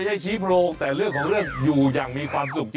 ชี้โพรงแต่เรื่องของเรื่องอยู่อย่างมีความสุข